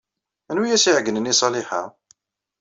Anwa ay as-iɛeyynen i Ṣaliḥa?